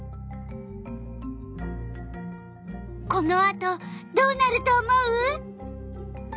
このあとどうなると思う？